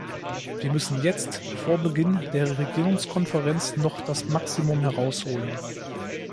Wir müssen jetzt, vor Beginn der Regierungskonferenz, noch das Maximum herausholen.